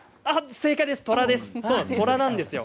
正解です。